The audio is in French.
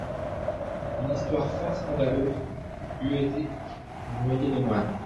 Une histoire fort scandaleuse eût aidé à noyer les moines.